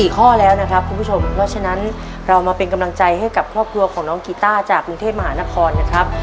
ข้อแล้วนะครับคุณผู้ชมเพราะฉะนั้นเรามาเป็นกำลังใจให้กับครอบครัวของน้องกีต้าจากกรุงเทพมหานครนะครับ